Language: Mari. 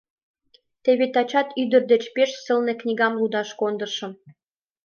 Теве тачат ӱдыр деч пеш сылне книгам лудаш кондышым.